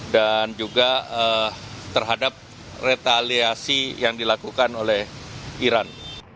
dan juga terhadap retaliasi yang dilakukan oleh iran